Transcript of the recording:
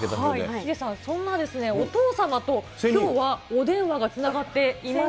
ヒデさん、そんなお父様と、きょうはお電話がつながっています。